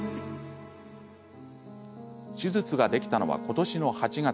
手術ができたのは、ことしの８月。